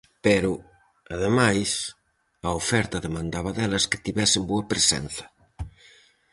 Pero, ademais, a oferta demandaba delas que tivesen "boa presenza".